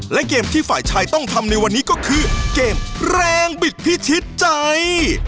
และเกมที่ฝ่ายชายต้องทำในวันนี้ก็คือเกมแรงบิดพิชิตใจ